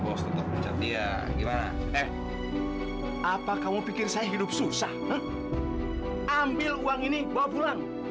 bos tetap mecat dia gimana eh apa kamu pikir saya hidup susah ambil uang ini bawa pulang